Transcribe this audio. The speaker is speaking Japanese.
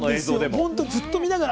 ずっと見ながら。